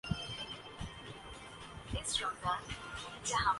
اسی طرح آج کل بلاگنگ میں بھی جدت آتی جا رہی ہے